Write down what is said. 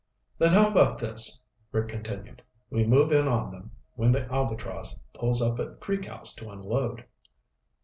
"Then how about this," Rick continued. "We move in on them when the Albatross pulls up at Creek House to unload."